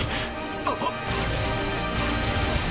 あっ！